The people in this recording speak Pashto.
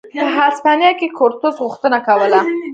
په هسپانیا کې کورتس غوښتنه کوله.